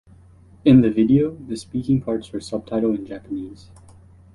In the video, the speaking parts were subtitled in Japanese.